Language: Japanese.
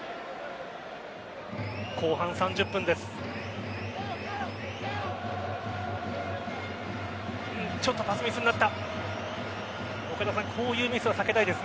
後半３０分です。